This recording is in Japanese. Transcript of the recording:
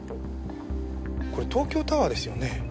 これ東京タワーですよね？